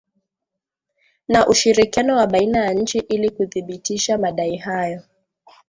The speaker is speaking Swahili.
Na ushirikiano wa baina ya nchi ili kuthibitisha madai hayo